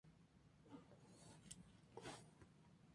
En el momento del matrimonio ella tenía catorce años.